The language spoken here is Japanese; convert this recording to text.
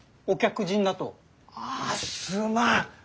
あすまん！